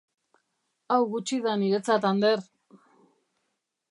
Hau gutxi da niretzat, Ander!